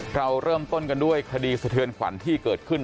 เราเริ่มต้นกันด้วยคดีสะเทือนขวัญที่เกิดขึ้น